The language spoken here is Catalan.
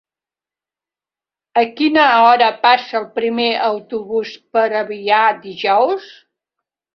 A quina hora passa el primer autobús per Avià dijous?